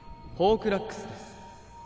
ホークラックスです